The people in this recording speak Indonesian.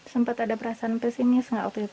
sempat ada perasaan pesimis